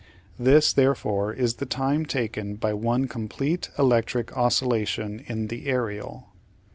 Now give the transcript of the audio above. This, therefore, is the time taken by one complete electric oscillation in the aerial.